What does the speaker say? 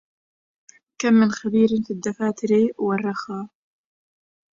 كم من خبير في الدفاتر ورخا